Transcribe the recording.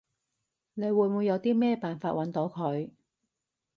你會唔會有啲咩辦法搵到佢？